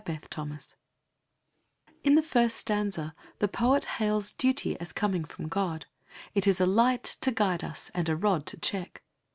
ODE TO DUTY In the first stanza the poet hails duty as coming from God. It is a light to guide us and a rod to check.